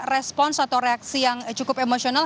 respons atau reaksi yang cukup emosional